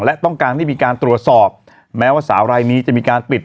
และต้องการให้มีการตรวจสอบแม้ว่าสาวรายนี้จะมีการปิด